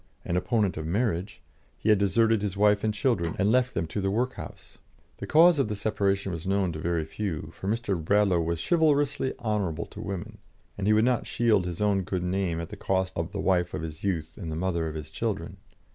an opponent of marriage, he had deserted his wife and children, and left them to the workhouse. The cause of the separation was known to very few, for Mr. Bradlaugh was chivalrously honourable to women, and he would not shield his own good name at the cost of that of the wife of his youth and the mother of his children.